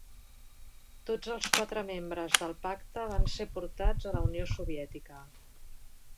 Tots els quatre membres del pacte van ser portats a la Unió Soviètica.